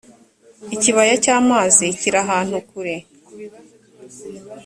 ikibaya cy ‘amazi kirahantu kure.